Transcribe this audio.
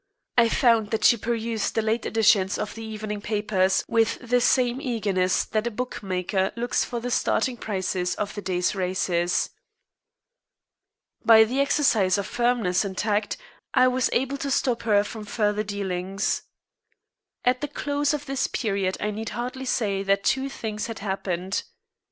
I found that she perused the late editions of the evening papers with the same eagerness that a bookmaker looks for the starting prices of the day's races. By the exercise of firmness and tact I was able to stop her from further dealings. At the close of this period I need hardly say that two things had happened.